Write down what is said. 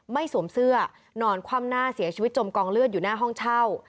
สวมเสื้อนอนคว่ำหน้าเสียชีวิตจมกองเลือดอยู่หน้าห้องเช่า